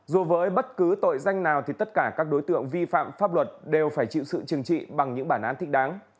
dù với bất cứ tội danh nào thì tất cả các đối tượng vi phạm pháp luật đều phải chịu sự chừng trị bằng những bản án thích đáng